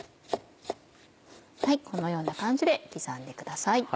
このような感じで刻んでください。